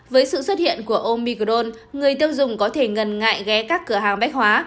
với sự xuất hiện của omicron người tiêu dùng có thể ngần ngại ghé các cửa hàng bách hóa